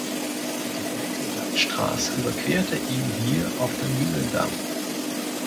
Die Alte Salzstraße überquerte ihn hier auf dem Mühlendamm.